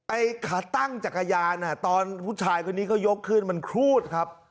ไอ้ขาตั้งจักรยานตอนผู้ชายคนนี้เขายกขึ้นมันครูดครับ